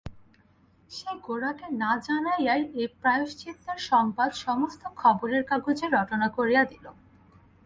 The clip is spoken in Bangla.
সে গোরাকে না জানাইয়াই এই প্রায়শ্চিত্তের সংবাদ সমস্ত খবরের কাগজে রটনা করিয়া দিল।